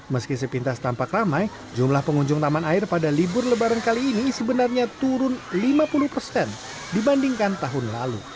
meski sepintas tampak ramai jumlah pengunjung taman air pada libur lebaran kali ini sebenarnya turun lima puluh persen dibandingkan tahun lalu